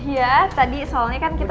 ya tadi soalnya kan kita